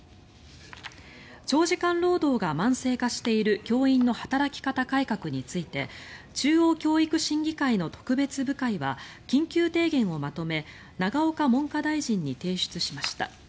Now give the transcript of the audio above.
長時間労働が慢性化している教員の働き方改革について中央教育審議会の特別部会は緊急提言をまとめ永岡文科大臣に提出しました。